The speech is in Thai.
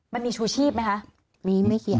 มันมีชูชีพไหมคะ